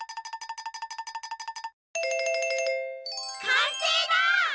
かんせいだ！